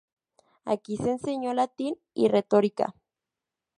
Aquí se enseñó latín y retórica.